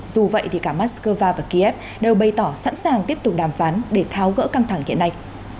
dù vậy thì cả moscow và kiev đều bày tỏ sẵn sàng tiếp tục đàm phán để tháo gỡ căng thẳng hiện nay